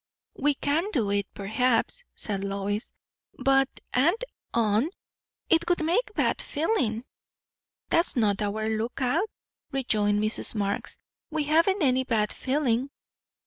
"We can do it, perhaps," said Lois; "but, aunt Anne, it would make bad feeling." "That's not our look out," rejoined Mrs. Marx. "We haven't any bad feeling."